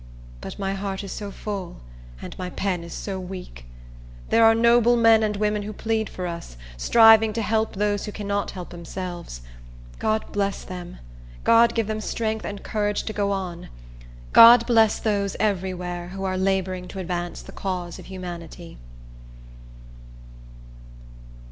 But my heart is so full, and my pen is so weak! There are noble men and women who plead for us, striving to help those who cannot help themselves. God bless them! God give them strength and courage to go on! God bless those, every where, who are laboring to advance the cause of humanity!